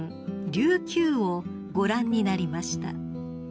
「琉球」をご覧になりました］